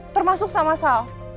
termasuk sama sal